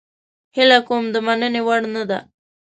هیله کوم د مننې وړ نه ده.